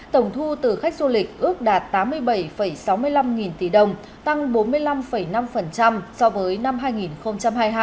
tổng thu từ khách du lịch ước đạt tám mươi bảy sáu mươi năm nghìn tỷ đồng tăng bốn mươi năm năm so với năm hai nghìn hai mươi hai